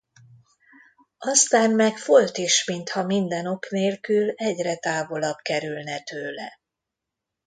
Aztán meg Folt is mintha minden ok nélkül egyre távolabb kerülne tőle.